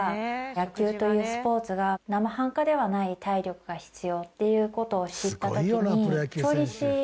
野球というスポーツが生半可ではない体力が必要っていう事を知った時に。